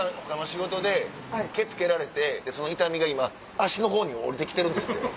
仕事でケツ蹴られてその痛みが今脚のほうに下りて来てるんですって。